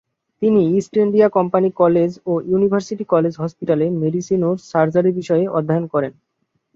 তিনি East India company college ও university college হসপিটালে মেডিসিন ও সার্জারি বিষয়ে অধ্যয়ন করেন।